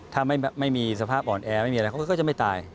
ถ้าไม่มีสภาพอ่อนแอไม่มีอะไรเขาก็จะไม่ตาย